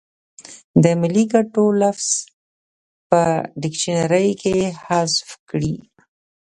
د ملي ګټو لفظ په ډکشنري کې حذف کړي.